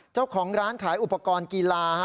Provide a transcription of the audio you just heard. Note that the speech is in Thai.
เจ้าของร้านขายอุปกรณ์กีฬา